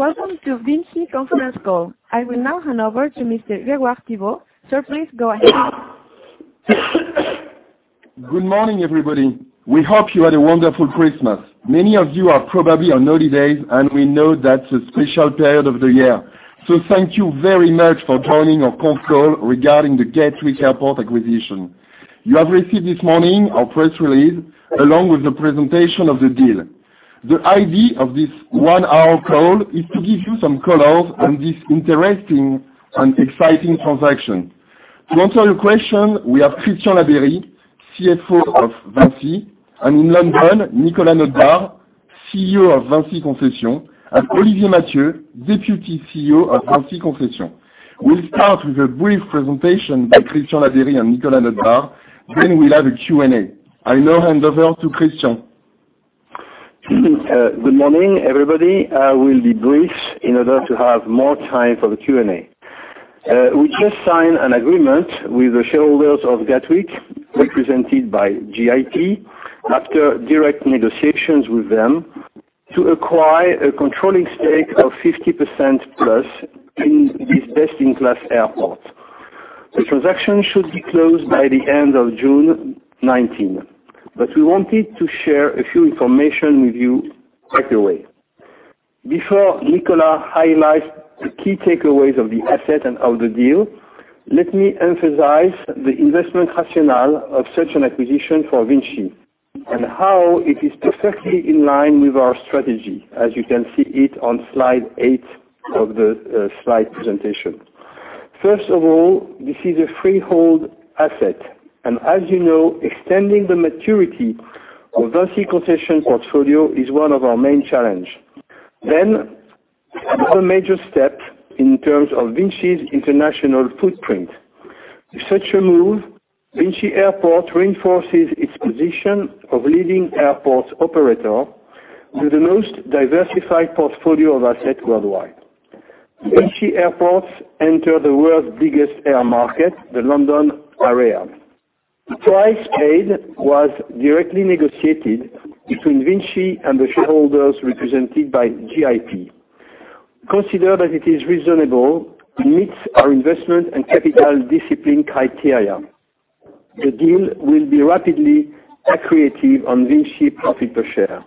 Welcome to VINCI conference call. I will now hand over to Mr. Grégoire Thibault. Sir, please go ahead. Good morning, everybody. We hope you had a wonderful Christmas. Many of you are probably on holidays. We know that's a special period of the year. Thank you very much for joining our conf call regarding the Gatwick Airport acquisition. You have received this morning our press release, along with the presentation of the deal. The idea of this 1-hour call is to give you some colors on this interesting and exciting transaction. To answer your question, we have Christian Labeyrie, CFO of VINCI, and in London, Nicolas Notebaert, CEO of VINCI Concessions, and Olivier Mathieu, Deputy CEO of VINCI Concessions. We'll start with a brief presentation by Christian Labeyrie and Nicolas Notebaert. We'll have a Q&A. I now hand over to Christian. Good morning, everybody. I will be brief in order to have more time for the Q&A. We just signed an agreement with the shareholders of Gatwick, represented by GIP, after direct negotiations with them to acquire a controlling stake of 50%+ in this best-in-class airport. The transaction should be closed by the end of June 2019. We wanted to share a few information with you right away. Before Nicolas highlights the key takeaways of the asset and of the deal, let me emphasize the investment rationale of such an acquisition for VINCI and how it is perfectly in line with our strategy, as you can see it on slide eight of the slide presentation. First of all, this is a freehold asset. As you know, extending the maturity of VINCI Concessions portfolio is one of our main challenge. Another major step in terms of VINCI's international footprint. With such a move, VINCI Airports reinforces its position of leading airports operator with the most diversified portfolio of assets worldwide. VINCI Airports enter the world's biggest air market, the London area. The price paid was directly negotiated between VINCI and the shareholders represented by GIP. Consider that it is reasonable. It meets our investment and capital discipline criteria. The deal will be rapidly accretive on VINCI profit per share.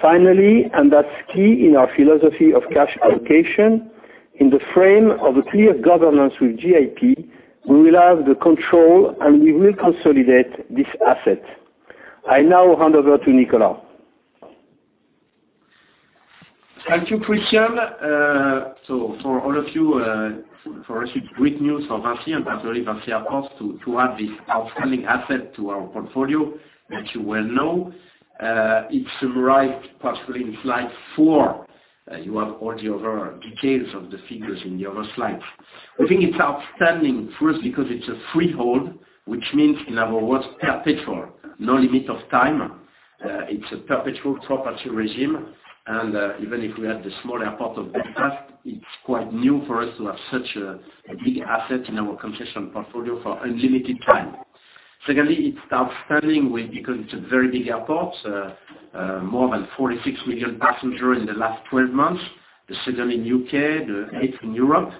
Finally, that's key in our philosophy of cash allocation, in the frame of a clear governance with GIP, we will have the control and we will consolidate this asset. I now hand over to Nicolas. Thank you, Christian. For all of you, for us it's great news for VINCI and particularly VINCI Airports to add this outstanding asset to our portfolio, which you well know. It's summarized partially in slide four. You have all the other details of the figures in the other slides. I think it's outstanding, first because it's a freehold, which means, in other words, perpetual, no limit of time. It's a perpetual property regime, even if we had the small airport of Belfast, it's quite new for us to have such a big asset in our concession portfolio for unlimited time. Secondly, it's outstanding because it's a very big airport, more than 46 million passengers in the last 12 months, the second in U.K., the eighth in Europe.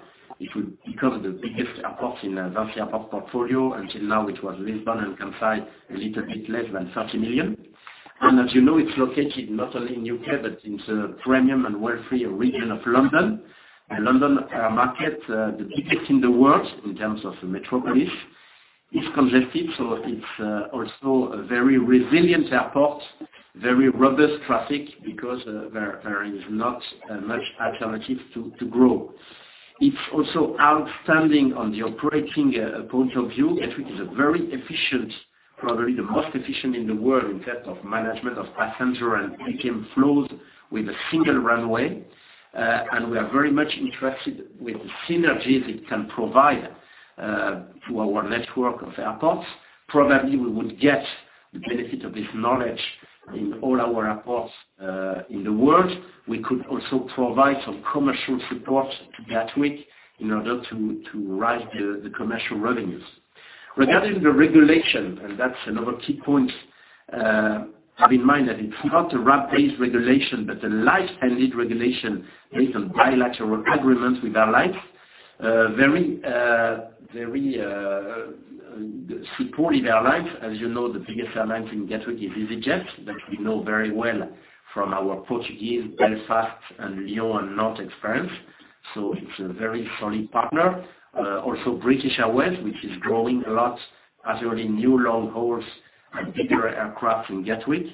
It will become the biggest airport in VINCI Airports portfolio. Until now, it was Lisbon and Kansai, a little bit less than 30 million. As you know, it's located not only in U.K., but it's a premium and wealthy region of London. The London air market, the biggest in the world in terms of metropolis, is congested, it's also a very resilient airport, very robust traffic because there is not much alternative to grow. It's also outstanding on the operating point of view. Gatwick is a very efficient, probably the most efficient in the world in terms of management of passenger and retail flows with a single runway. We are very much interested with the synergies it can provide to our network of airports. Probably we would get the benefit of this knowledge in all our airports in the world. We could also provide some commercial support to Gatwick in order to raise the commercial revenues. Regarding the regulation, that's another key point. Have in mind that it's not a RAB-based regulation, but a lightened regulation based on bilateral agreements with airlines. Very supportive airlines. As you know, the biggest airline in Gatwick is easyJet, that we know very well from our Portuguese, Belfast, and Lyon North experience. It's a very solid partner. Also British Airways, which is growing a lot as well in new long hauls and bigger aircraft in Gatwick.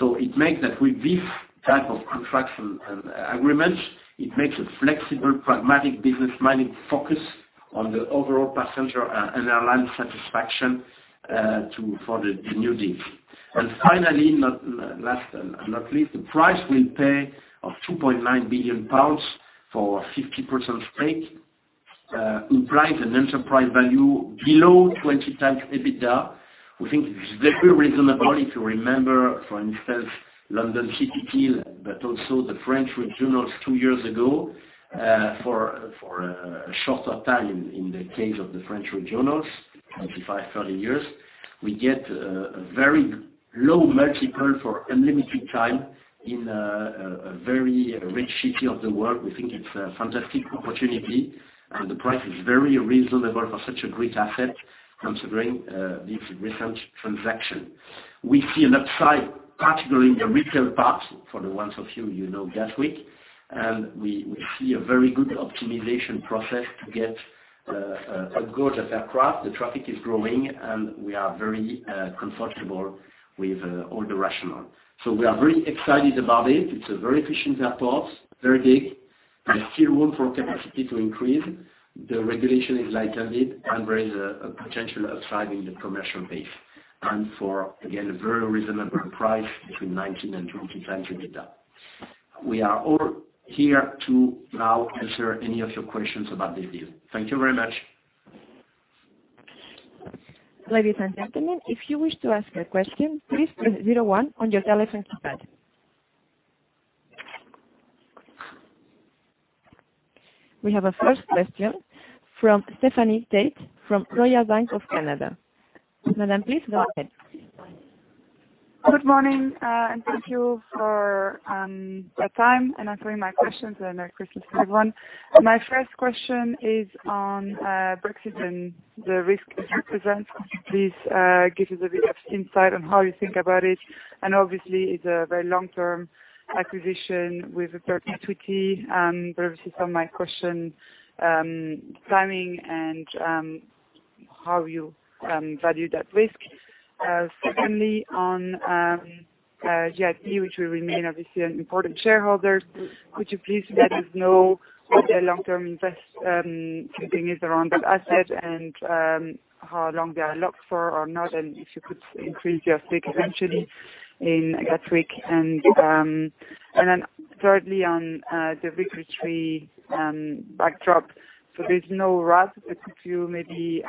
It makes that with this type of contract and agreement, it makes a flexible, pragmatic business mind focus on the overall passenger and airline satisfaction for the new deal. Finally, last and not least, the price we pay of 2.9 billion pounds for a 50% stake implies an enterprise value below 20x EBITDA. We think it's very reasonable if you remember, for instance, London City deal, also the French regionals two years ago. For a shorter time in the case of the French regionals, 25, 30 years. We get a very low multiple for unlimited time in a very rich city of the world. We think it's a fantastic opportunity, and the price is very reasonable for such a great asset considering this recent transaction. We see an upside, particularly in the retail part, for the ones of you who know Gatwick. We see a very good optimization process to get a gorgeous aircraft. The traffic is growing, and we are very comfortable with all the rationale. We are very excited about it. It's a very efficient airport, very big, and still room for capacity to increase. The regulation is lightened, and there is a potential upside in the commercial base. For, again, a very reasonable price between 19x and 20x EBITDA. We are all here to now answer any of your questions about this deal. Thank you very much. Ladies and gentlemen, if you wish to ask a question, please press zero one on your telephone keypad. We have a first question from Stephanie Tate from Royal Bank of Canada. Madam, please go ahead. Good morning. Thank you for the time. I bring my questions. Merry Christmas, everyone. My first question is on Brexit and the risk it represents. Please give us a bit of insight on how you think about it. Obviously, it's a very long-term acquisition with a perpetuity. Obviously, my question, timing and how you valued that risk. Secondly, on GIP, which will remain obviously an important shareholder, could you please let us know what their long-term investing is around that asset and how long they are locked for or not? If you could increase your stake eventually in Gatwick. Thirdly, on the regulatory backdrop. There's no rush, but could you maybe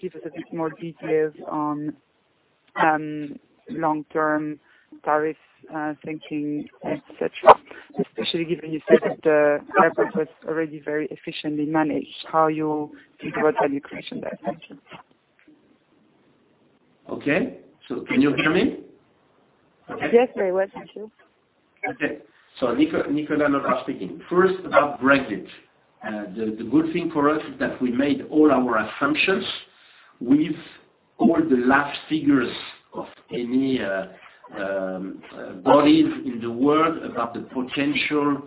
give us a bit more details on long-term tariff thinking, et cetera, especially given you said that the airport was already very efficiently managed, how you think about valuation there? Thank you. Okay. Can you hear me? Yes, very well. Thank you. Okay. Nicolas Notebaert speaking. First, about Brexit. The good thing for us is that we made all our assumptions with all the last figures of any bodies in the world about the potential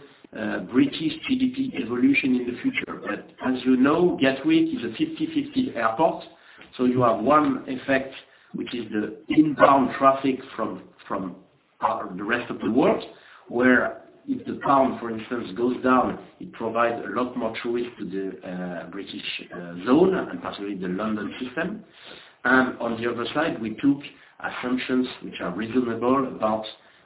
British GDP evolution in the future. As you know, Gatwick is a 50/50 airport. You have one effect, which is the inbound traffic from the rest of the world, where if the pound, for instance, goes down, it provides a lot more tourists to the British zone and particularly the London system. On the other side, we took assumptions which are reasonable about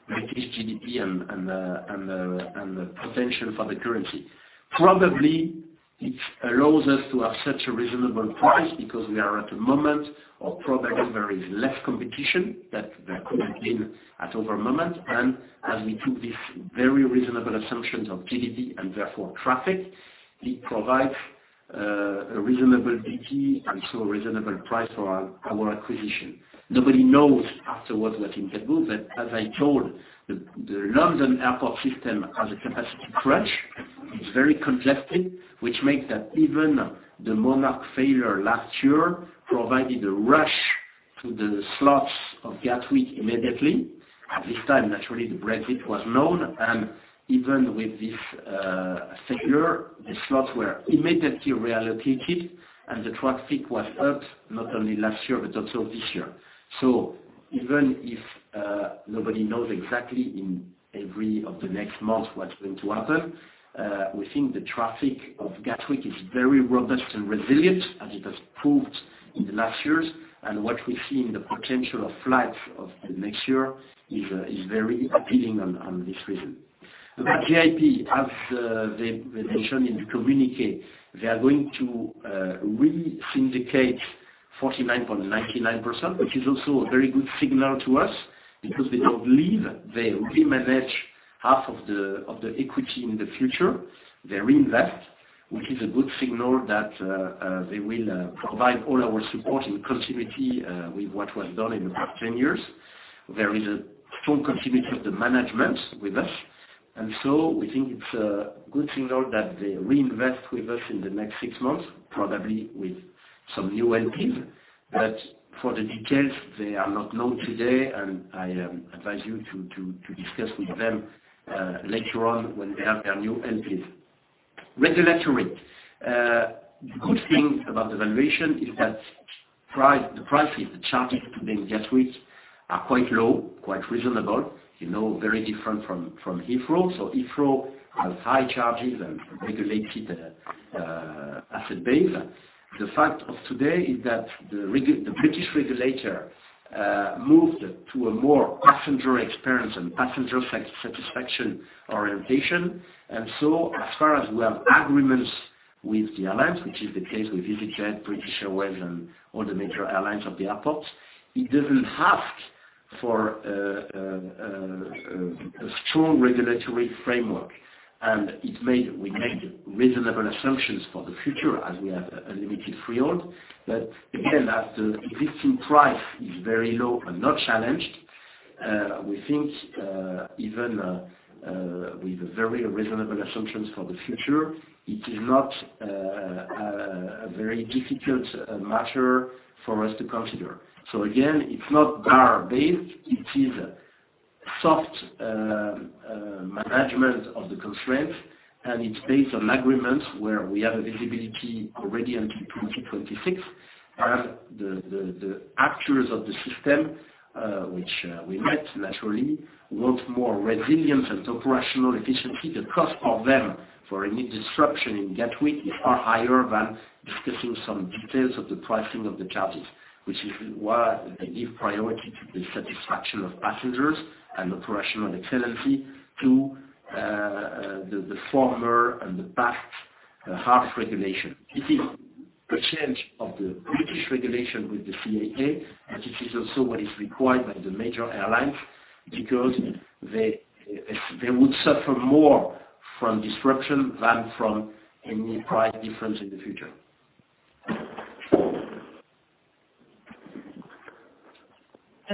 British GDP and the potential for the currency. Probably, it allows us to have such a reasonable price because we are at a moment of probably there is less competition that there could have been at other moment. As we took these very reasonable assumptions of GDP and therefore traffic, it provides a reasonable GDP and a reasonable price for our acquisition. Nobody knows afterwards what it could do. As I told, the London airport system has a capacity crunch. It's very congested, which makes that even the Monarch failure last year provided a rush to the slots of Gatwick immediately. At this time, naturally, Brexit was known, and even with this failure, the slots were immediately reallocated, and the traffic was up, not only last year but also this year. Even if nobody knows exactly in every of the next month what's going to happen, we think the traffic of Gatwick is very robust and resilient as it has proved in the last years. What we see in the potential of flights of the next year is very appealing on this reason. About GIP, as they mentioned in the communiqué, they are going to re-syndicate 49.99%, which is also a very good signal to us because they don't leave. They re-manage half of the equity in the future. They reinvest, which is a good signal that they will provide all our support in continuity with what was done in the past 10 years. There is a full continuity of the management with us. We think it's a good signal that they reinvest with us in the next six months, probably with some new LPs. For the details, they are not known today, and I advise you to discuss with them later on when they have their new LPs. Regulatory. Good thing about the valuation is that the prices, the charges within Gatwick are quite low, quite reasonable, very different from Heathrow. Heathrow has high charges and regulated asset base. The fact of today is that the British regulator moved to a more passenger experience and passenger satisfaction orientation. As far as we have agreements with the airlines, which is the case with easyJet, British Airways, and all the major airlines of the airport. It doesn't ask for a strong regulatory framework. We made reasonable assumptions for the future as we have a limited freehold. Again, as the existing price is very low and not challenged, we think even with very reasonable assumptions for the future, it is not a very difficult matter for us to consider. Again, it's not RAB-based, it is soft management of the constraint, and it's based on agreements where we have visibility already until 2026. The actors of the system which we met naturally, want more resilience and operational efficiency. The cost of them for any disruption in Gatwick are higher than discussing some details of the pricing of the charges, which is why they give priority to the satisfaction of passengers and operational excellency to the former and the past half regulation. It is a change of the British regulation with the CAA, it is also what is required by the major airlines, because they would suffer more from disruption than from any price difference in the future.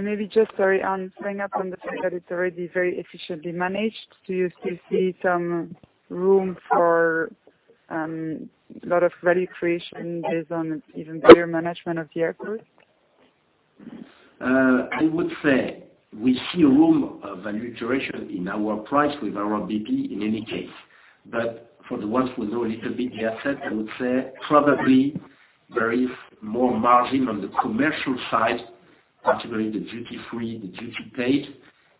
Maybe just very on staying up on the fact that it's already very efficiently managed. Do you still see some room for lot of value creation based on even better management of the airport? I would say we see a room of value creation in our price with our BP in any case. For the ones who know a little bit the asset, I would say probably there is more margin on the commercial side, particularly the duty-free, the duty-paid,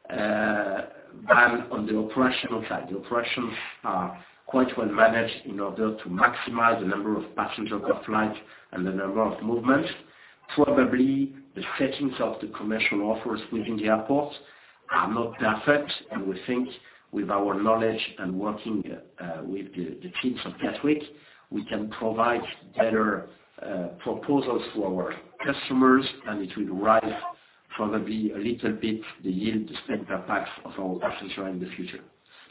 than on the operational side. The operations are quite well managed in order to maximize the number of passengers per flight and the number of movements. Probably the settings of the commercial offers within the airport are not perfect, we think with our knowledge and working with the teams of Gatwick, we can provide better proposals for our customers, it will rise probably a little bit, the yield spent per pax of our passenger in the future.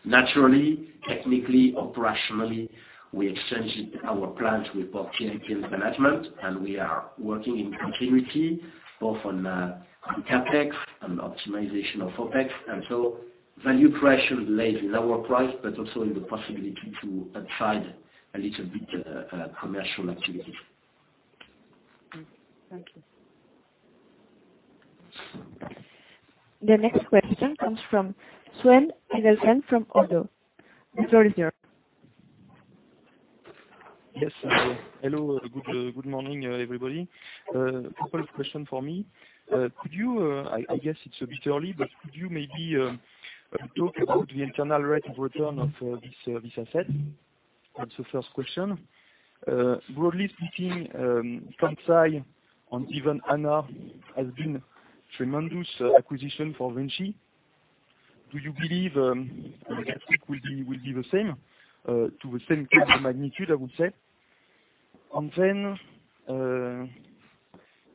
Naturally, technically, operationally, we exchanged our plans with both team and management, we are working in continuity both on the CapEx and optimization of OpEx. Value creation lays in lower price, also in the possibility to upside a little bit commercial activity. Thank you. The next question comes from Sven Edelfelt from Oddo. The floor is yours. Yes. Hello. Good morning, everybody. A couple of question for me. I guess it's a bit early, but could you maybe talk about the internal rate of return of this asset? That's the first question. Broadly speaking, Kansai and even ANA has been tremendous acquisition for VINCI. Do you believe Gatwick will be the same, to the same kind of magnitude, I would say?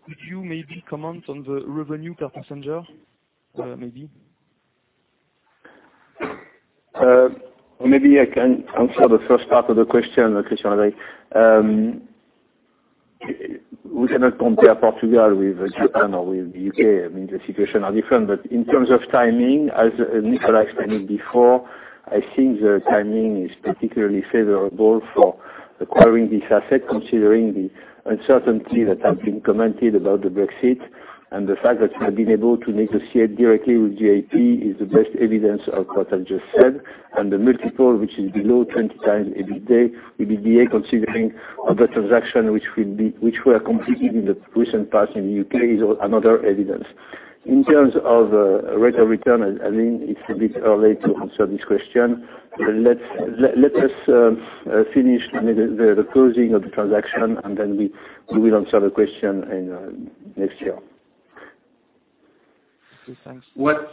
Could you maybe comment on the revenue per passenger, maybe? Maybe I can answer the first part of the question, Christian. We cannot compare Portugal with Japan or with U.K. I mean, the situation are different, but in terms of timing, as Nicolas explained before, I think the timing is particularly favorable for acquiring this asset, considering the uncertainty that have been commented about the Brexit and the fact that we have been able to negotiate directly with GIP is the best evidence of what I just said. The multiple, which is below 20 times EBITDA, considering other transaction which were completed in the recent past in the U.K., is another evidence. In terms of rate of return, I think it's a bit early to answer this question. Let us finish the closing of the transaction, and then we will answer the question next year. Okay, thanks. What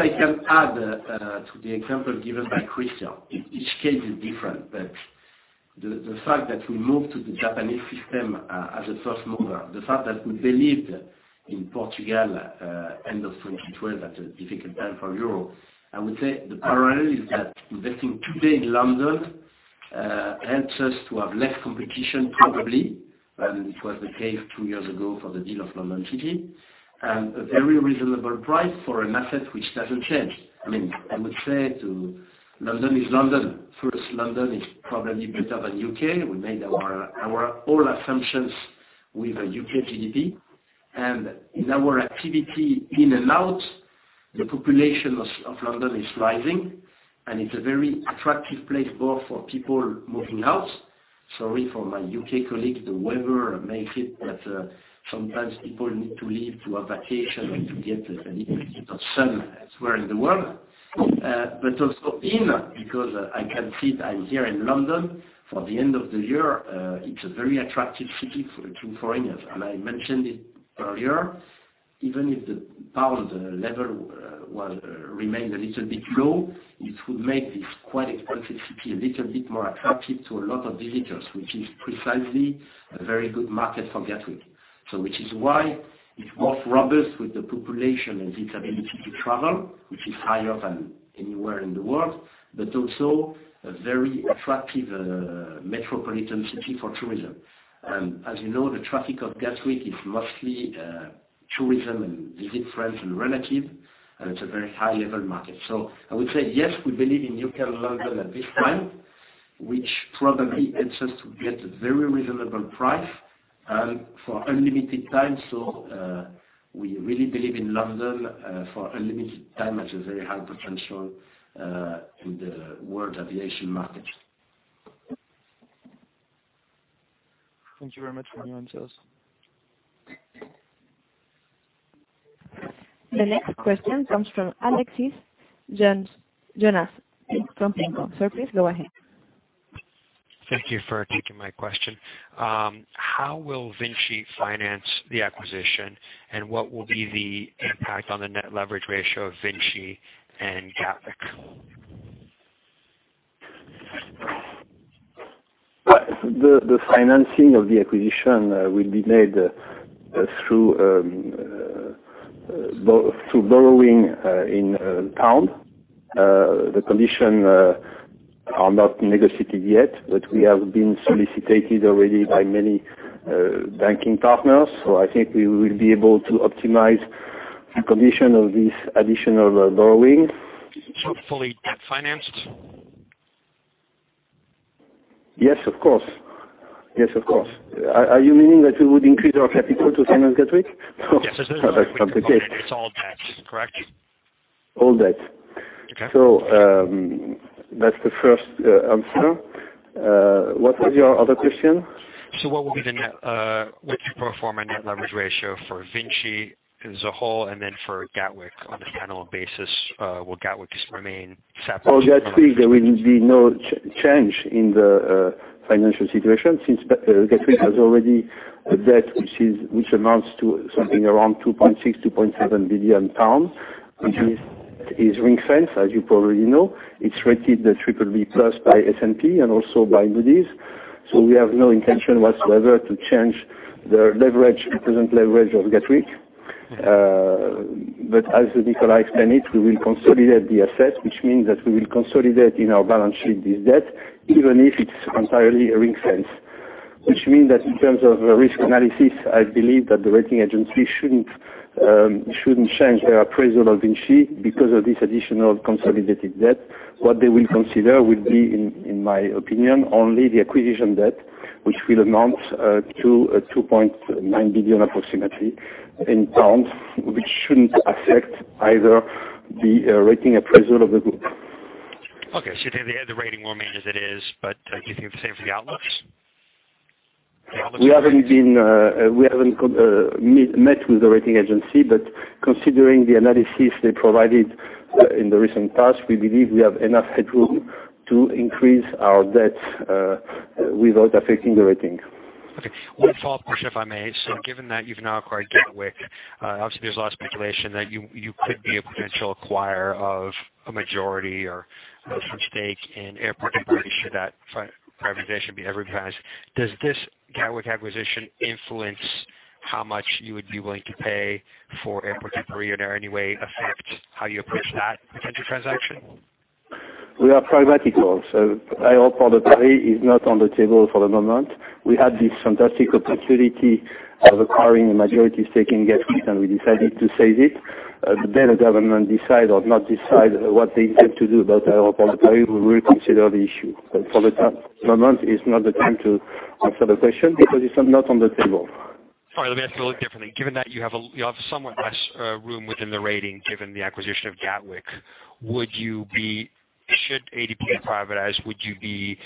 I can add to the example given by Christian, each case is different, but the fact that we moved to the Japanese system as a first mover, the fact that we believed in Portugal end of 2012 at a difficult time for EUR, I would say the parallel is that investing today in London helps us to have less competition probably than it was the case two years ago for the deal of London City. A very reasonable price for an asset which doesn't change. I would say London is London. First, London is probably better than U.K. We made our whole assumptions with a U.K. GDP. In our activity in and out, the population of London is rising, and it's a very attractive place both for people moving out. Sorry for my U.K. colleague, the weather makes it that sometimes people need to leave to a vacation or to get a little bit of sun elsewhere in the world. Also in, because I can see it, I'm here in London for the end of the year, it's a very attractive city to foreigners, and I mentioned it earlier. Even if the pound level remained a little bit low, it would make this quite expensive city a little bit more attractive to a lot of visitors, which is precisely a very good market for Gatwick. Which is why it's both robust with the population and its ability to travel, which is higher than anywhere in the world, but also a very attractive metropolitan city for tourism. As you know, the traffic of Gatwick is mostly tourism and visit friends and relatives. It's a very high-level market. I would say yes, we believe in U.K. and London at this time, which probably helps us to get a very reasonable price and for unlimited time. We really believe in London for unlimited time as a very high potential with the world aviation market. Thank you very much for your answers. The next question comes from Alexis Jonas from [Bank of America]. Sir, please go ahead. Thank you for taking my question. How will VINCI finance the acquisition, and what will be the impact on the net leverage ratio of VINCI and Gatwick? The financing of the acquisition will be made through borrowing in pound. The condition are not negotiated yet, but we have been solicited already by many banking partners. I think we will be able to optimize the condition of this additional borrowing. Fully debt financed? Yes, of course. Are you meaning that we would increase our capital to finance Gatwick? No. That's not the case. Yes. This is all debt, correct? All debt. Okay. That's the first answer. What was your other question? what's your pro forma net leverage ratio for VINCI as a whole and then for Gatwick on a standalone basis? Will Gatwick just remain separate? For Gatwick, there will be no change in the financial situation since Gatwick has already a debt which amounts to something around 2.6 billion pounds, 2.7 billion pounds, which is ring-fence, as you probably know. It's rated BBB+ by S&P and also by Moody's. We have no intention whatsoever to change the present leverage of Gatwick. As Nicolas explained it, we will consolidate the assets, which means that we will consolidate in our balance sheet this debt, even if it's entirely a ring-fence. Which means that in terms of risk analysis, I believe that the rating agency shouldn't change their appraisal of VINCI because of this additional consolidated debt. What they will consider will be, in my opinion, only the acquisition debt, which will amount to 2.9 billion approximately, which shouldn't affect either the rating appraisal of the group. Okay. The rating will remain as it is, do you think the same for the outlook? We haven't met with the rating agency, considering the analysis they provided in the recent past, we believe we have enough headroom to increase our debt without affecting the rating. Okay. One follow-up question, if I may. Given that you've now acquired Gatwick, obviously, there's a lot of speculation that you could be a potential acquirer of a majority or some stake in Aéroports de Paris should that privatization be ever privatized. Does this Gatwick acquisition influence how much you would be willing to pay for Aéroports de Paris or in any way affect how you approach that potential transaction? We are pragmatical. Aéroports de Paris is not on the table for the moment. We had this fantastic opportunity of acquiring a majority stake in Gatwick, we decided to seize it. The government decide or not decide what they intend to do about Aéroports de Paris, we will reconsider the issue. For the moment, it's not the time to answer the question because it's not on the table. All right. Let me ask a little differently. Given that you have somewhat less room within the rating given the acquisition of Gatwick, should ADP privatize, would you be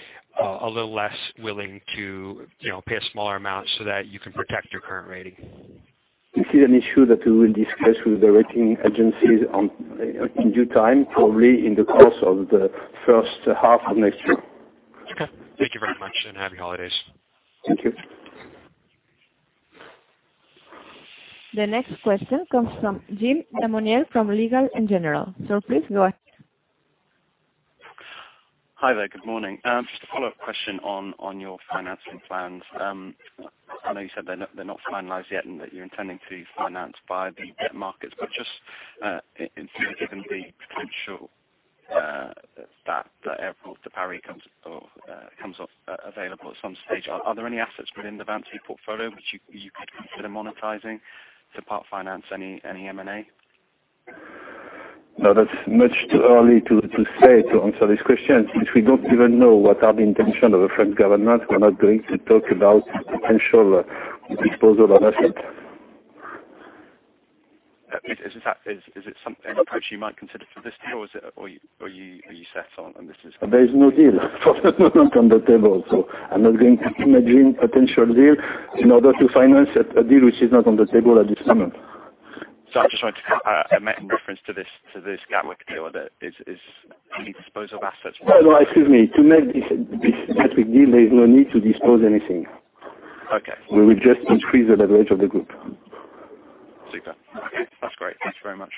a little less willing to pay a smaller amount so that you can protect your current rating? This is an issue that we will discuss with the rating agencies in due time, probably in the course of the first half of next year. Okay. Thank you very much, and happy holidays. Thank you. The next question comes from Jim Lamonier from Legal & General. Sir, please go ahead. Hi there. Good morning. Just a follow-up question on your financing plans. I know you said they're not finalized yet and that you're intending to finance via the debt markets, but just given the potential that Aéroports de Paris comes available at some stage, are there any assets within the VINCI portfolio which you could consider monetizing to part-finance any M&A? No, that's much too early to say to answer this question. Since we don't even know what are the intention of the French government, we're not going to talk about potential disposal of assets. Is it an approach you might consider for this deal, or are you set on? There is no deal on the table. I'm not going to imagine potential deal in order to finance a deal which is not on the table at this moment. I'm just trying to make reference to this Gatwick deal. No, excuse me. To make this Gatwick deal, there's no need to dispose anything. Okay. We will just increase the leverage of the group. Super. That's great. Thanks very much.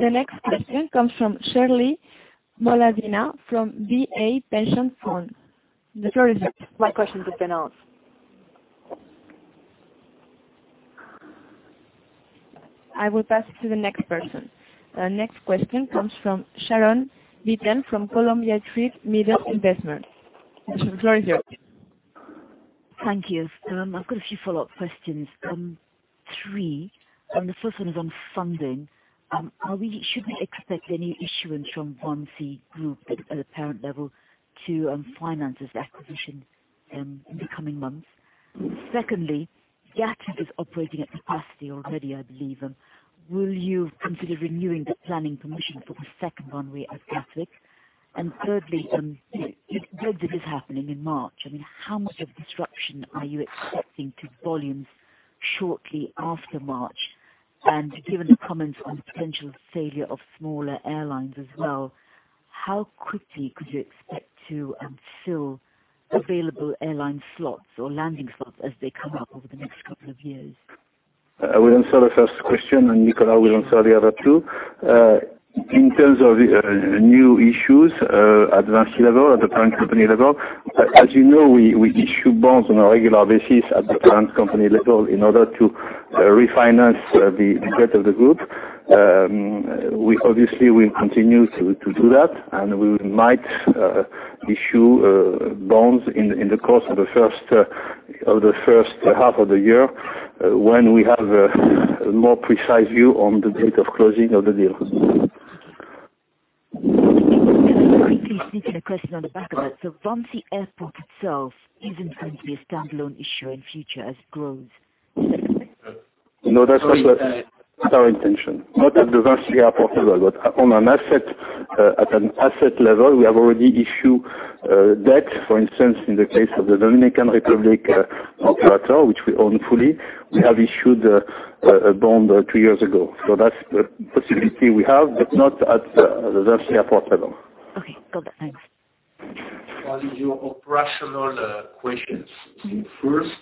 The next question comes from Shirley Moladina from VA Pension Fund. The floor is yours. My question has been asked. I will pass to the next person. Next question comes from Sharon Beaton from Columbia Threadneedle Investments. The floor is yours. Thank you. I've got a few follow-up questions. Three. The first one is on funding. Should we expect any issuance from VINCI Group at a parent level to finance this acquisition in the coming months? Secondly, Gatwick is operating at capacity already, I believe. Will you consider renewing the planning permission for the second runway at Gatwick? Thirdly, Brexit is happening in March. How much of disruption are you expecting to volumes shortly after March? Given the comments on potential failure of smaller airlines as well, how quickly could you expect to fill available airline slots or landing slots as they come up over the next couple of years? I will answer the first question. Nicolas will answer the other two. In terms of new issues at the parent company level, as you know, we issue bonds on a regular basis at the parent company level in order to refinance the debt of the group. Obviously, we will continue to do that. We might issue bonds in the course of the first half of the year when we have a more precise view on the date of closing of the deal. Can I quickly sneak in a question on the back of that? VINCI Airport itself isn't going to be a standalone issue in future as it grows? No, that's not our intention. Not at the VINCI Airport level. At an asset level, we have already issued debt. For instance, in the case of the Dominican Republic operator, which we own fully, we have issued a bond two years ago. That's the possibility we have, but not at the VINCI Airport level. Okay, got that. Thanks. On your operational questions. First,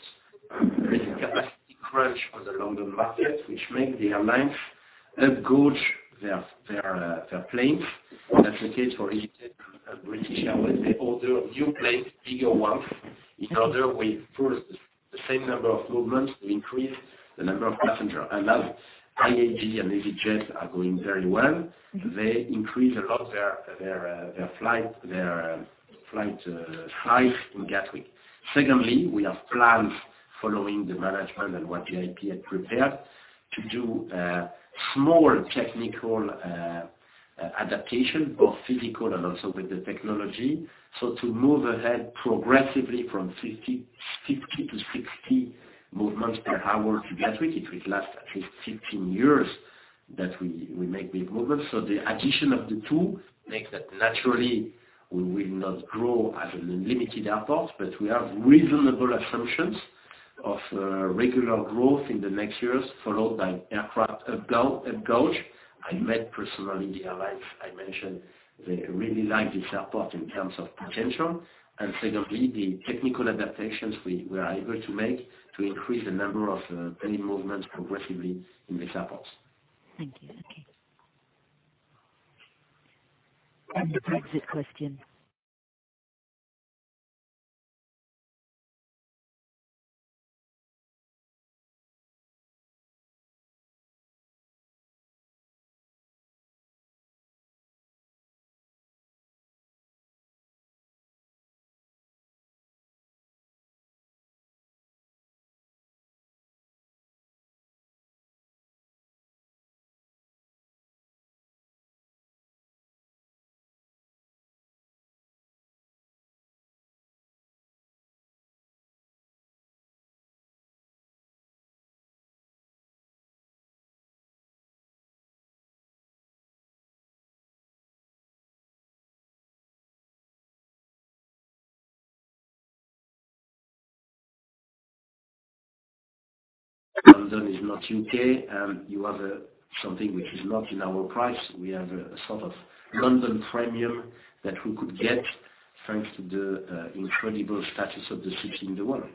there is a capacity crunch on the London market, which makes the airlines upgauge their planes. That's the case for easyJet and British Airways. They order new planes, bigger ones, in order, with the same number of movements, to increase the number of passengers. As IAG and easyJet are doing very well, they increase a lot their flight size in Gatwick. Secondly, we have plans following the management and what GIP had prepared to do small technical adaptation, both physical and also with the technology. To move ahead progressively from 50 to 60 movements per hour to Gatwick, it will last at least 15 years that we make these movements. The addition of the two makes that naturally, we will not grow as a limited airport, but we have reasonable assumptions of regular growth in the next years, followed by aircraft upgauge. I met personally the airlines I mentioned. They really like this airport in terms of potential. Secondly, the technical adaptations we are able to make to increase the number of plane movements progressively in this airport. Thank you. Okay. The Brexit question. London is not U.K., you have something which is not in our price. We have a sort of London premium that we could get, thanks to the incredible status of the city in the world.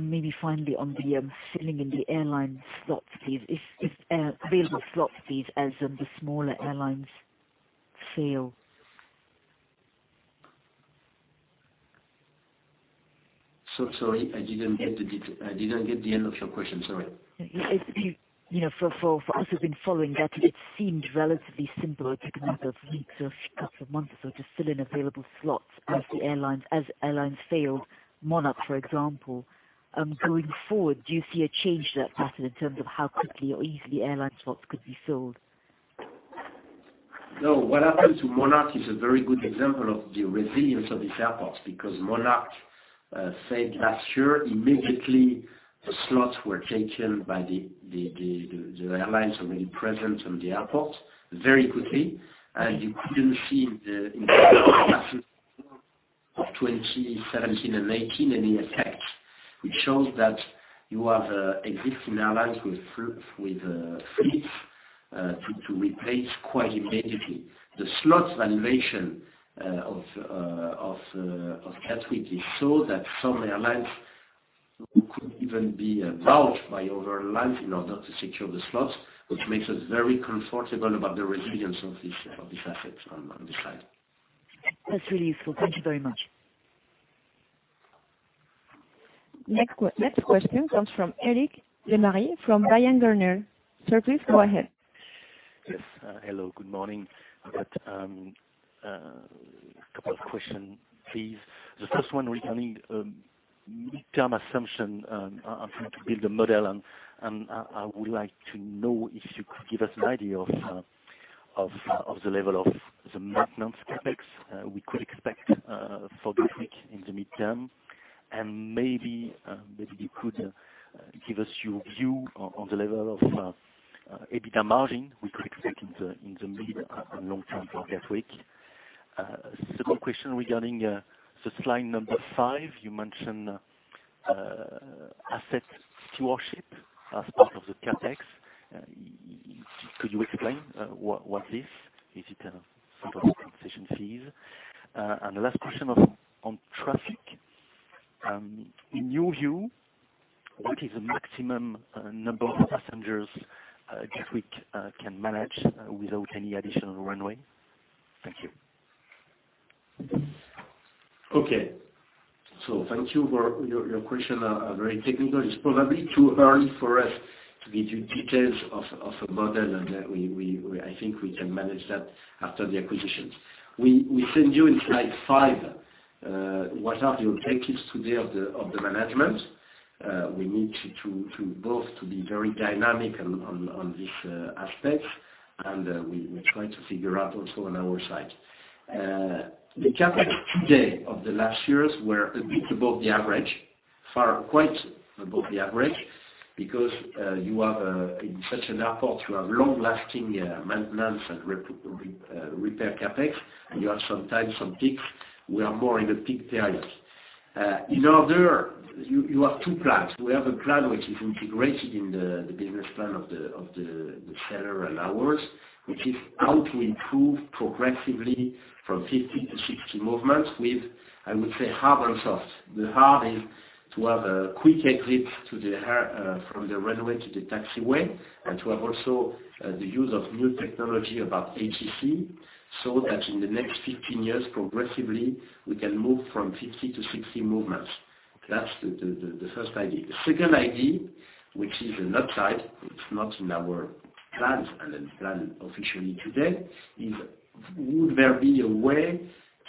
Maybe finally on the filling in the airline slot fees, if available slot fees as the smaller airlines fail. Sorry, I didn't get the end of your question. Sorry. For us who've been following that, it seemed relatively simple. It took a matter of weeks or couple of months or so to fill in available slots as airlines failed. Monarch, for example. Going forward, do you see a change to that pattern in terms of how quickly or easily airline slots could be sold? What happened to Monarch is a very good example of the resilience of this airport, because Monarch failed last year. Immediately, the slots were taken by the airlines already present on the airport very quickly. You couldn't see in the passenger flow of 2017 and 2018 any effect, which shows that you have existing airlines with fleets to replace quite immediately. The slots valuation of Gatwick is so that some airlines could even be bought by other airlines in order to secure the slots, which makes us very comfortable about the resilience of this asset on this side. That's really useful. Thank you very much. Next question comes from Eric Lemarié from Bryan Garnier. Sir, please go ahead. Yes, hello. Good morning. I've got a couple of questions, please. The first one regarding mid-term assumption. I'm trying to build a model, and I would like to know if you could give us an idea of the level of the maintenance CapEx we could expect for Gatwick in the mid-term, and maybe you could give us your view on the level of EBITDA margin we could expect in the mid and long term for Gatwick. Second question regarding the slide number five, you mentioned asset stewardship as part of the CapEx. Could you explain what this is? Is it a sort of compensation fees? The last question on traffic. In your view, what is the maximum number of passengers Gatwick can manage without any additional runway? Thank you. Okay. Thank you for your questions. Very technical. It's probably too early for us to give you details of a model, and I think we can manage that after the acquisition. We showed you in slide five, what are the objectives today of the management. We need to both be very dynamic on these aspects, and we try to figure out also on our side. The CapEx today of the last years were a bit above the average, far quite above the average, because in such an airport, you have long-lasting maintenance and repair CapEx, and you have sometimes some peaks. We are more in the peak periods. In order, you have two plans. We have a plan which is integrated in the business plan of the seller and ours, which is how to improve progressively from 50 to 60 movements with, I would say, hard and soft. The hard is to have a quick exit from the runway to the taxiway, and to have also the use of new technology about ATC, so that in the next 15 years, progressively, we can move from 50 to 60 movements. That's the first idea. The second idea, which is an upside, it's not in our plans and in plan officially today, is would there be a way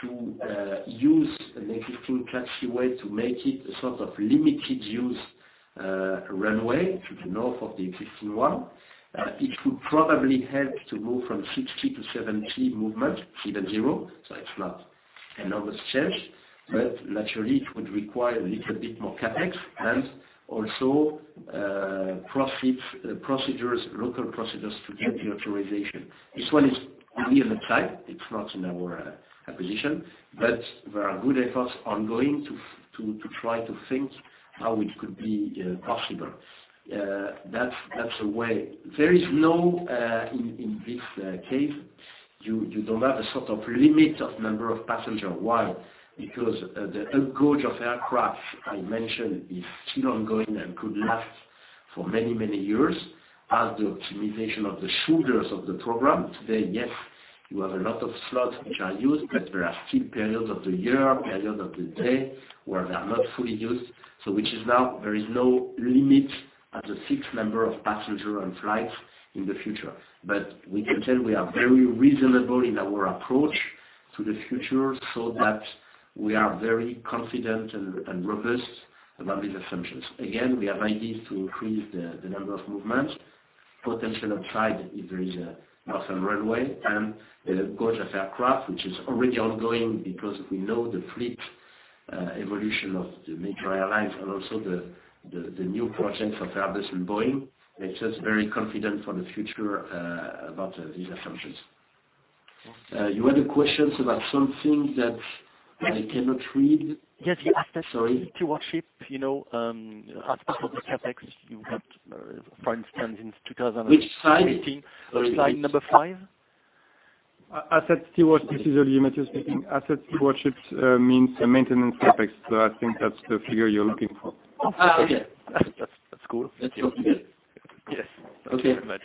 to use an existing taxiway to make it a sort of limited use runway to the north of the existing one? It would probably help to move from 60 to 70 movements, seven zero, so it's not an enormous change. Naturally, it would require a little bit more CapEx and also local procedures to get the authorization. This one is really an upside. It's not in our acquisition, but there are good efforts ongoing to try to think how it could be possible. That's a way. There is no, in this case, you don't have a sort of limit of number of passenger. Why? Because the upgauge of aircraft I mentioned is still ongoing and could last for many, many years as the optimization of the shoulders of the program. Today, yes, you have a lot of slots which are used, but there are still periods of the year, period of the day, where they are not fully used. Which is now there is no limit as a fixed number of passenger and flights in the future. We can tell we are very reasonable in our approach to the future, so that we are very confident and robust about these assumptions. We have ideas to increase the number of movements, potential upside if there is a northern runway, and the upgauge of aircraft, which is already ongoing because we know the fleet evolution of the major airlines and also the new projects of Airbus and Boeing, makes us very confident for the future about these assumptions. You had a question about something that I cannot read. The asset stewardship as part of the CapEx you've got, for instance, in 2018. Which slide? Sorry. Slide number five. Asset stewardship. This is Olivier Mathieu speaking. Asset stewardship means maintenance CapEx. I think that's the figure you're looking for. Okay. That's cool. That's okay. Yes. Thank you very much.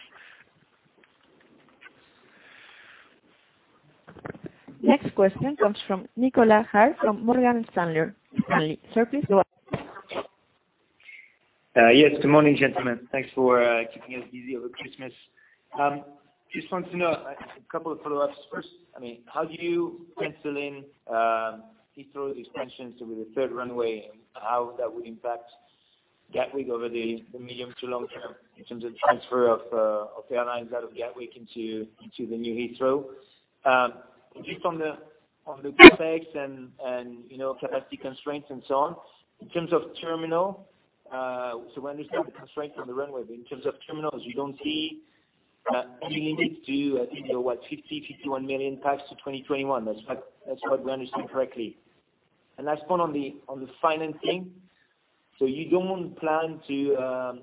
Next question comes from Nicolas Mora from Morgan Stanley. Sir, please go ahead. Yes, good morning, gentlemen. Thanks for keeping us busy over Christmas. Just want to know a couple of follow-ups. First, how do you pencil in Heathrow extensions with the third runway, and how that would impact Gatwick over the medium to long term in terms of transfer of airlines out of Gatwick into the new Heathrow? Just on the CapEx and capacity constraints and so on, in terms of terminal, so I understand the constraints on the runway, but in terms of terminals, you don't see any limit to, I think they are, what, 50, 51 million passengers to 2021. That's what we understand correctly. Last one on the financing. You don't plan to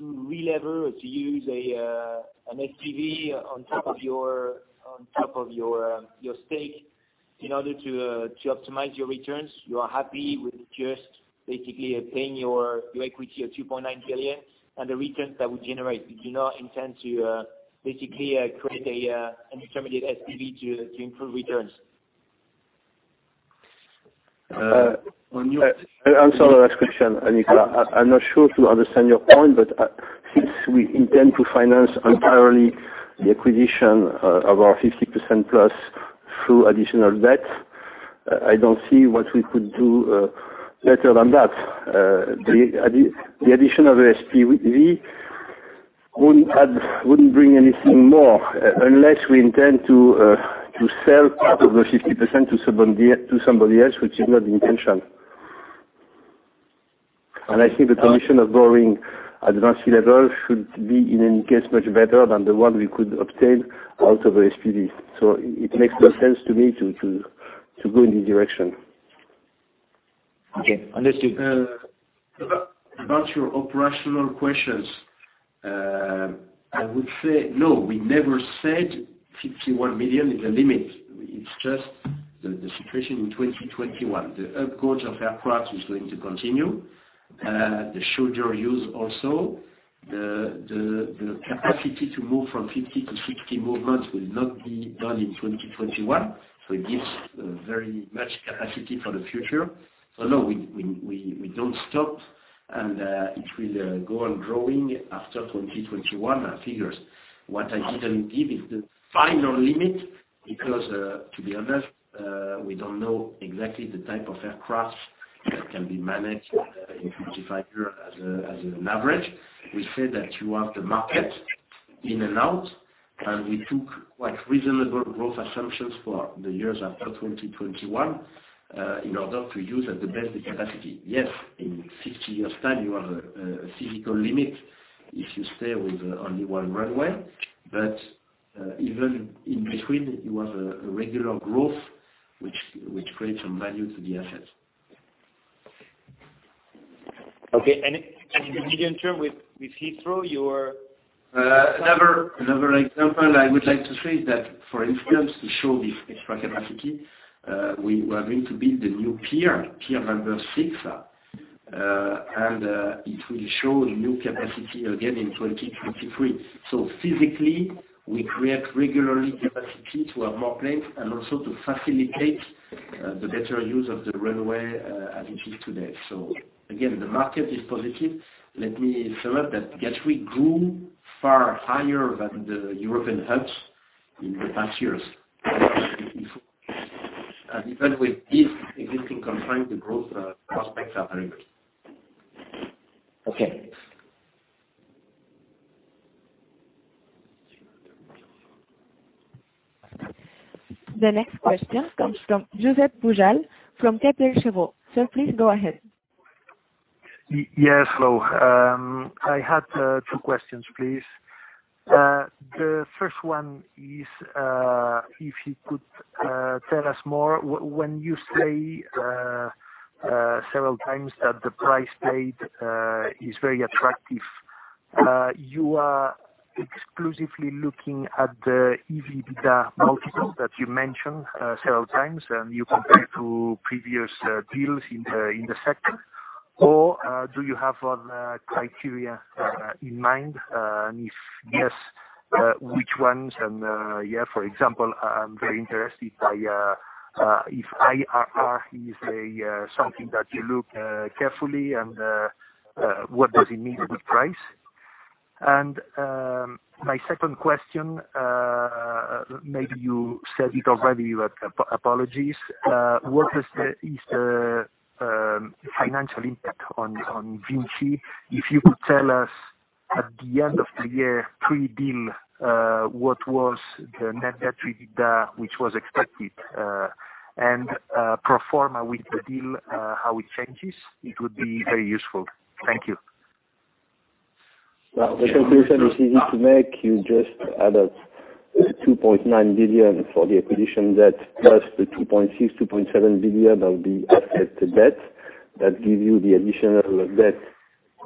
re-lever or to use an SPV on top of your stake in order to optimize your returns? You are happy with just basically paying your equity of 2.9 billion and the returns that would generate? You do not intend to basically create an intermediate SPV to improve returns. I'm sorry, last question, VINCI. I'm not sure to understand your point, but since we intend to finance entirely the acquisition of our 50%+ through additional debt, I don't see what we could do better than that. The addition of SPV wouldn't bring anything more, unless we intend to sell out of the 50% to somebody else, which is not the intention. I think the condition of borrowing at the national level should be, in any case, much better than the one we could obtain out of SPV. It makes no sense to me to go in this direction. Okay. Understood. About your operational questions. I would say no, we never said 51 million is the limit. It's just the situation in 2021. The upgauge of aircraft is going to continue. The shoulder use also. The capacity to move from 50 to 60 movements will not be done in 2021. It gives very much capacity for the future. No, we don't stop, and it will go on growing after 2021 figures. What I didn't give is the final limit because, to be honest, we don't know exactly the type of aircraft that can be managed in 25 years as an average. We said that you have the market in and out, and we took quite reasonable growth assumptions for the years after 2021, in order to use at the best capacity. Yes, in 50 years' time, you have a physical limit if you stay with only one runway. Even in between, you have a regular growth, which creates some value to the asset. Okay. The medium term with Heathrow, you're- Another example I would like to say is that, for instance, to show this extra capacity, we are going to build the new Pier number 6. It will show the new capacity again in 2023. Physically, we create regularly capacity to have more planes and also to facilitate the better use of the runway as it is today. Again, the market is positive. Let me sum up that Gatwick grew far higher than the European hubs in the past years. Even with this existing constraint, the growth prospects are very good. Okay. The next question comes from Josep Pujal from Kepler Cheuvreux. Sir, please go ahead. Yes. Hello. I had two questions, please. The first one is, if you could tell us more, when you say several times that the price paid is very attractive, you are exclusively looking at the EV/EBITDA multiple that you mentioned several times, you compare to previous deals in the sector. Do you have other criteria in mind? If yes, which ones? Yeah, for example, I'm very interested if IRR is something that you look carefully and what does it mean with price? My second question, maybe you said it already, but apologies. What is the financial impact on VINCI? If you could tell us at the end of the year, pre-deal, what was the net debt to EBITDA which was expected? Pro forma with the deal, how it changes? It would be very useful. Thank you. Well, the conclusion is easy to make. You just add up 2.9 billion for the acquisition debt, plus the 2.6 billion, 2.7 billion of the asset debt. That gives you the additional debt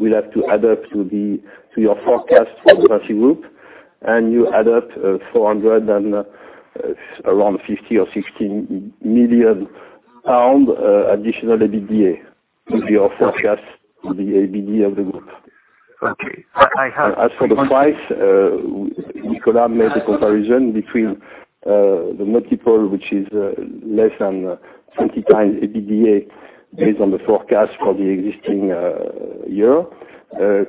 we'll have to add up to your forecast for the VINCI Group. You add up around 450 million pounds or GBP 460 million additional EBITDA to your forecast, the EBITDA of the group. Okay. I have As for the price, Nicolas made a comparison between the multiple, which is less than 20x EBITDA based on the forecast for the existing year,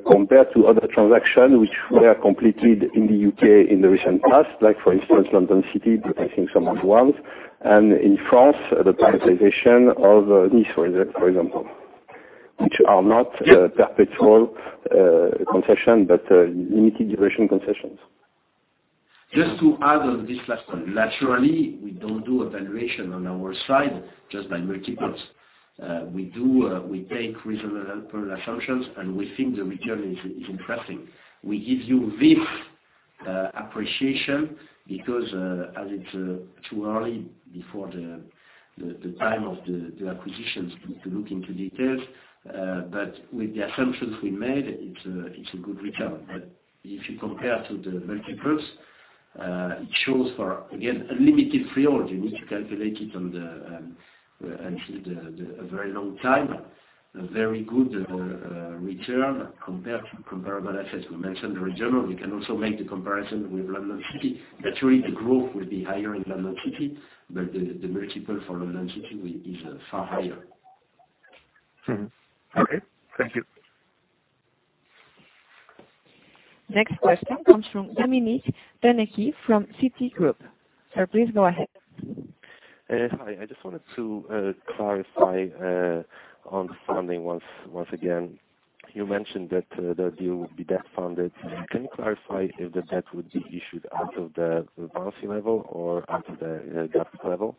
compared to other transactions which were completed in the U.K. in the recent past, like for instance, London City, I think someone wants. In France, the privatization of Nice, for example. Which are not perpetual concession, but limited duration concessions. Just to add on this last one. Naturally, we don't do a valuation on our side just by multiples. We take reasonable input assumptions, we think the return is interesting. We give you this appreciation because, as it's too early before the time of the acquisitions to look into details. With the assumptions we made, it's a good return. If you compare to the multiples, it shows for, again, a limited period. You need to calculate it on the very long time, a very good return compared to comparable assets. We mentioned Regional. We can also make the comparison with London City. Naturally, the growth will be higher in London City, but the multiple for London City is far higher. Okay. Thank you. Next question comes from Dominic [Edridge] from Citigroup. Sir, please go ahead. Hi. I just wanted to clarify on funding once again. You mentioned that the deal will be debt-funded. Can you clarify if the debt would be issued out of the VINCI level or out of the Gatwick level?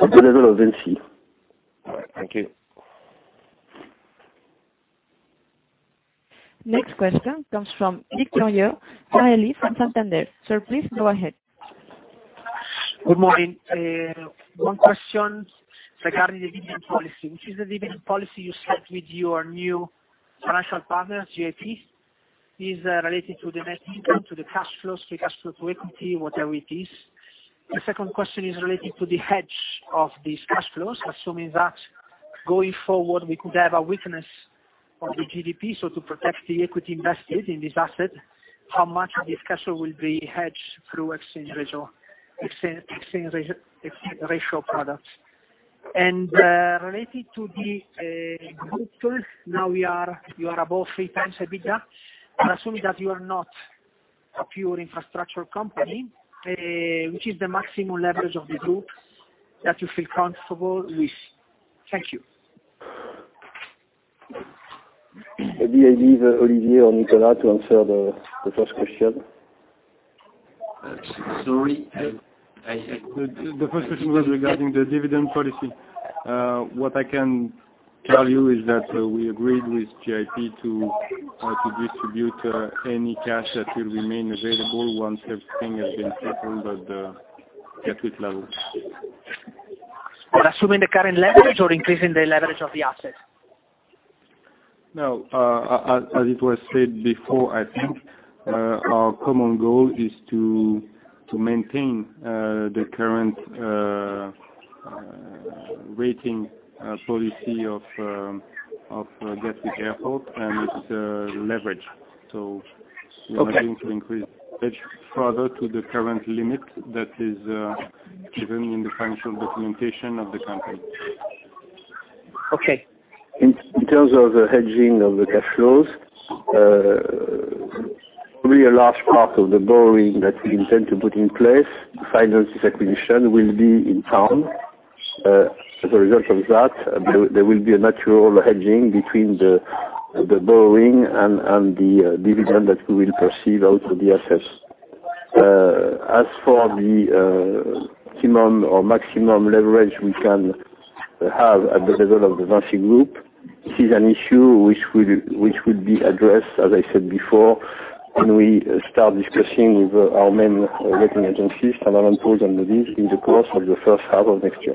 At the level of VINCI. All right. Thank you. Next question comes from Victor Noyer, Santander. Sir, please go ahead. Good morning. One question regarding the dividend policy, which is the dividend policy you set with your new financial partners, GIP? Is it related to the net income, to the cash flows, free cash flow to equity, whatever it is? The second question is related to the hedge of these cash flows, assuming that going forward, we could have a weakness of the GDP. To protect the equity invested in this asset, how much of this cash flow will be hedged through exchange ratio products? Related to the multiple, now you are above three times EBITDA. I assume that you are not a pure infrastructure company. Which is the maximum leverage of the group that you feel comfortable with? Thank you. Maybe I leave Olivier or Nicolas to answer the first question. Sorry. The first question was regarding the dividend policy. What I can tell you is that we agreed with GIP to distribute any cash that will remain available once everything has been settled at the Gatwick level. Assuming the current leverage or increasing the leverage of the asset? No. As it was said before, I think, our common goal is to maintain the current rating policy of Gatwick Airport, and it is leverage. We are going to increase leverage further to the current limit that is given in the financial documentation of the company. Okay. In terms of the hedging of the cash flows, probably a large part of the borrowing that we intend to put in place to finance this acquisition will be in GBP. As a result of that, there will be a natural hedging between the borrowing and the dividend that we will receive out of the assets. As for the minimum or maximum leverage we can have at the level of the VINCI Group, this is an issue which would be addressed, as I said before, when we start discussing with our main rating agencies, Standard & Poor's and Moody's, in the course of the first half of next year.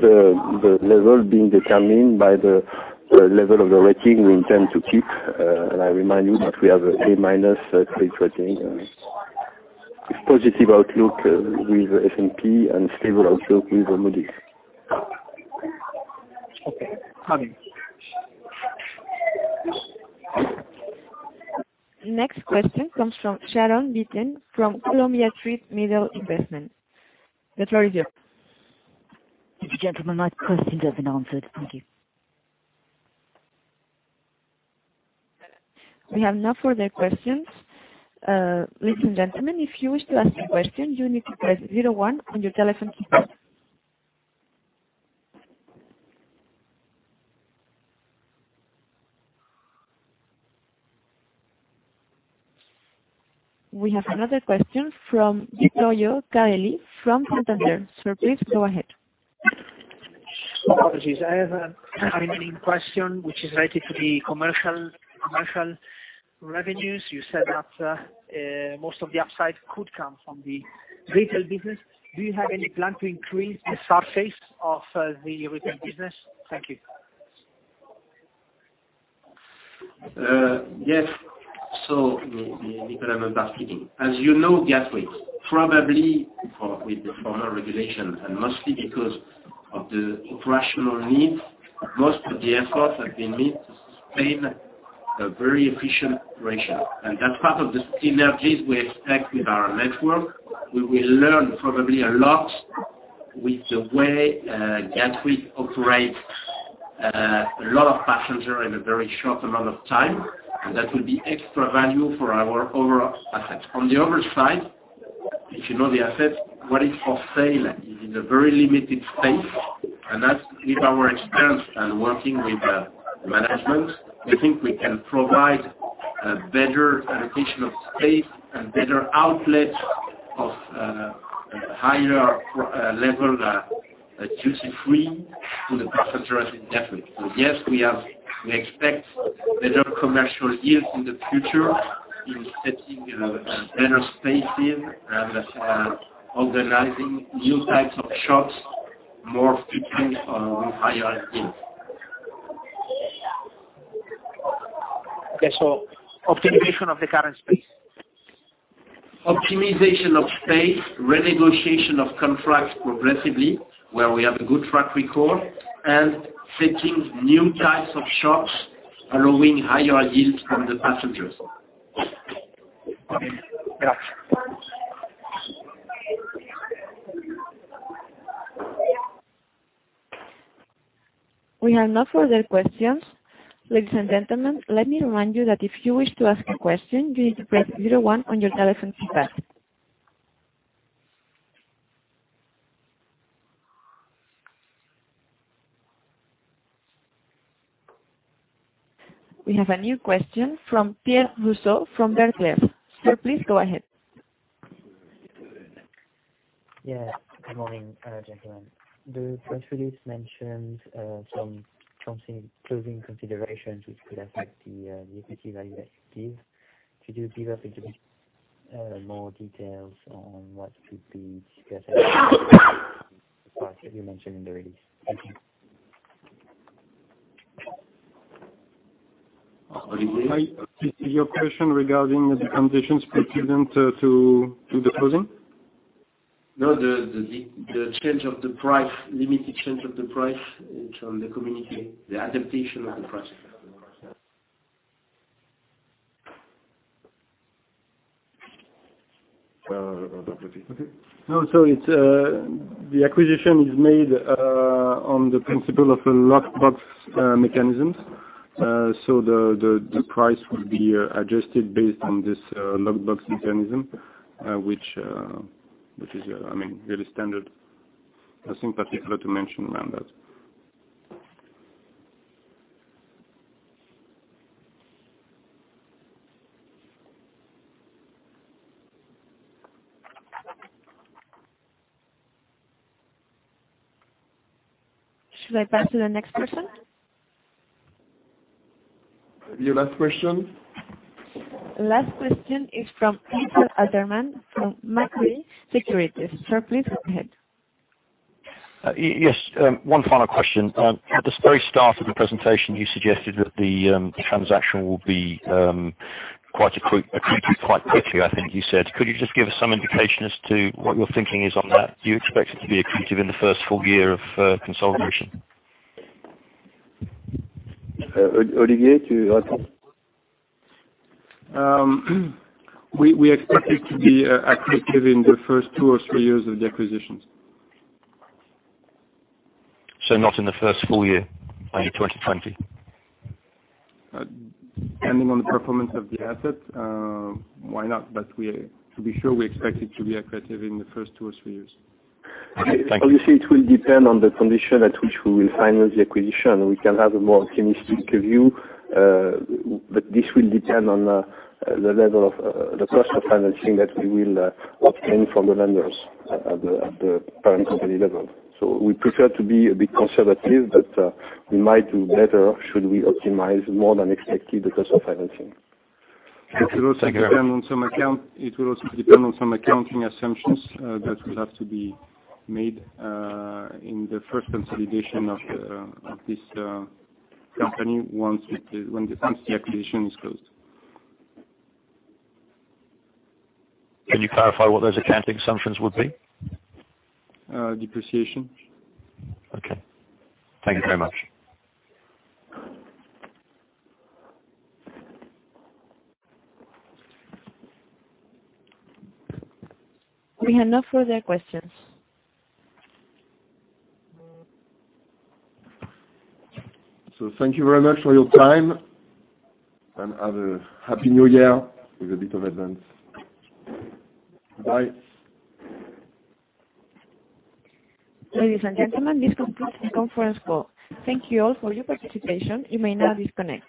The level being determined by the level of the rating we intend to keep, and I remind you that we have A- credit rating with positive outlook with S&P and stable outlook with Moody's. Okay. Next question comes from Sharon Beaton from Columbia Threadneedle Investments. The floor is yours. If you gentlemen might, my question has been answered. Thank you. We have no further questions. Ladies and gentlemen, if you wish to ask a question, you need to press zero one on your telephone keypad. We have another question from Victor Noyer, Santander. Sir, please go ahead. Apologies. I have a remaining question which is related to the commercial revenues. You said that most of the upside could come from the retail business. Do you have any plan to increase the surface of the retail business? Thank you. Yes. Nicolas Notebaert speaking. As you know, Gatwick, probably with the former regulation and mostly because of the operational needs, most of the efforts have been made to sustain a very efficient ratio. That's part of the synergies we expect with our network. We will learn probably a lot with the way Gatwick operates a lot of passengers in a very short amount of time, that will be extra value for our overall assets. On the other side, if you know the assets, what is for sale is in a very limited space, that's with our experience and working with management, we think we can provide a better allocation of space and better outlets of a higher level duty free to the passengers in general. Yes, we expect better commercial yields in the future in setting better spaces and organizing new types of shops, more footprints on higher yield. Okay. Optimization of the current space? Optimization of space, renegotiation of contracts progressively where we have a good track record, setting new types of shops allowing higher yields from the passengers. Okay. Yeah. We have no further questions. Ladies and gentlemen, let me remind you that if you wish to ask a question, you need to press zero one on your telephone keypad. We have a new question from Pierre Rousseau from Berenberg. Sir, please go ahead. Yeah. Good morning, gentlemen. The press release mentions some closing considerations which could affect the equity value that you give. Could you give a bit more details on what could be discussed that you mentioned in the release? Thank you. Olivier? Your question regarding the conditions precedent to do the closing? No, the limited change of the price. It's on the communication, the adaptation of the price. No. The acquisition is made on the principle of a lock-box mechanisms. The price will be adjusted based on this lock-box mechanism, which is really standard. Nothing particular to mention around that. Should I pass to the next person? Your last question. Last question is from Peter [Adderton] from Macquarie Securities. Sir, please go ahead. Yes. One final question. At the very start of the presentation, you suggested that the transaction will be quite accretive quite quickly, I think you said. Could you just give us some indication as to what your thinking is on that? Do you expect it to be accretive in the first full-year of consolidation? Olivier, to answer? We expect it to be accretive in the first two or three years of the acquisitions. Not in the first full year, i.e., 2020? Depending on the performance of the asset, why not? To be sure, we expect it to be accretive in the first two or three years. Okay. Thank you. Obviously, it will depend on the condition at which we will finance the acquisition. We can have a more optimistic view, but this will depend on the cost of financing that we will obtain from the lenders at the parent company level. We prefer to be a bit conservative, but we might do better should we optimize more than expected the cost of financing. Thank you very much. It will also depend on some accounting assumptions that will have to be made in the first consolidation of this company once the acquisition is closed. Can you clarify what those accounting assumptions would be? Depreciation. Okay. Thank you very much. We have no further questions. Thank you very much for your time, and have a happy New Year with a bit of advance. Bye. Ladies and gentlemen, this concludes the conference call. Thank you all for your participation. You may now disconnect.